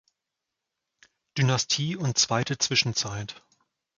Dynastie und Zweite Zwischenzeit.